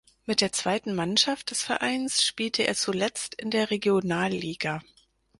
Mit der zweiten Mannschaft des Vereins spielte er zuletzt in der Regionalliga.